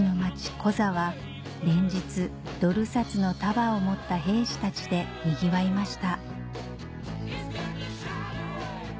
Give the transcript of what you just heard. コザは連日ドル札の束を持った兵士たちでにぎわいました